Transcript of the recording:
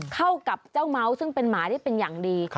เข้ากับเจ้าเมาส์ซึ่งเป็นหมาได้เป็นอย่างดี